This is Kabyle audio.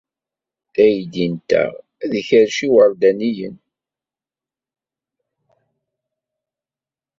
Aydi-nteɣ ad ikerrec iwerdaniyen.